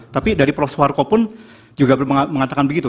tapi dari prof suharto pun juga mengatakan begitu